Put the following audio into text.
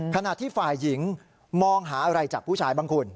ขณะที่ฝ่ายหญิงมองหาอะไรจากผู้ชายบ้างคุณ